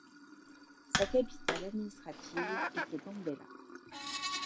Sa capitale administrative était Gambela.